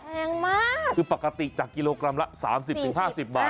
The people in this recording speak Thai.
แพงมากคือปกติจากกิโลกรัมละ๓๐๕๐บาท